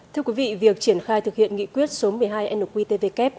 thưa quý vị việc triển khai thực hiện nghị quyết số một mươi hai nqtvk